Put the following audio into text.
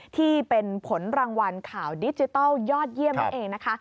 ที่เป็นผลรางวัลข่าวดิจิทัลยอดเยี่ยมนั่นเองนะคะ